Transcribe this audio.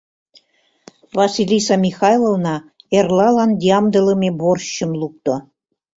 Василиса Михайловна эрлалан ямдылыме борщым лукто.